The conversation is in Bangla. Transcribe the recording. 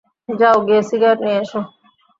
যাও গিয়ে সিগারেট নিয়ে এসো।